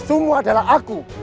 semua adalah aku